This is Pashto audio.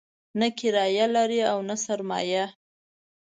نه کرايه لري او نه سرمایه.